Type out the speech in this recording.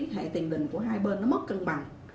hệ tiền đình của hai bên mất cân bằng